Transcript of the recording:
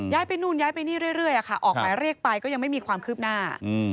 ไปนู่นย้ายไปนี่เรื่อยออกหมายเรียกไปก็ยังไม่มีความคืบหน้า